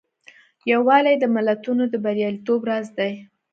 یووالی د ملتونو د بریالیتوب راز دی.